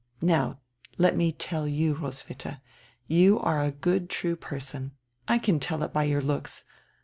"Now let me tell you, Roswitha, you are a good true per son; I can tell it by your looks.